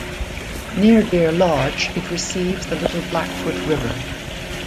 Near Deer Lodge it receives the Little Blackfoot River.